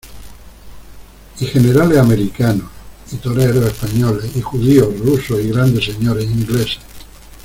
y generales americanos, y toreros españoles , y judíos rusos , y grandes señores ingleses.